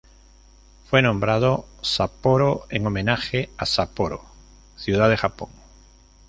Fue nombrado Sapporo en homenaje a Sapporo ciudad de Japón.